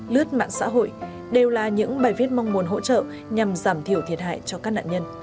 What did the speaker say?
lướt mạng xã hội đều là những bài viết mong muốn hỗ trợ nhằm giảm thiểu thiệt hại cho các nạn nhân